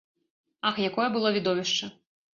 Ах, якое было відовішча!